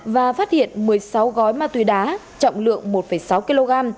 và phát hiện một mươi sáu gói ma túy đá trọng lượng một sáu kg